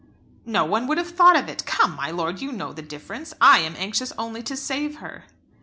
"No one would have thought of it. Come, my lord, you know the difference. I am anxious only to save her."